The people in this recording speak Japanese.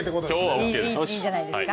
いいんじゃないですか。